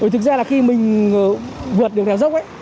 thực ra là khi mình vượt đèo dốc